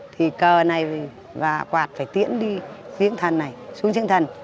thì cờ này và quạt phải tiễn đi diễn thần này xuống diễn thần